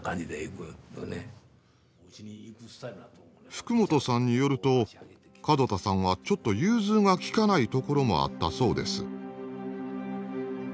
福本さんによると門田さんはちょっと融通が利かないところもあったそうです。